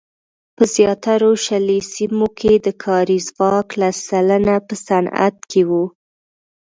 په زیاترو شلي سیمو کې د کاري ځواک لس سلنه په صنعت کې وو.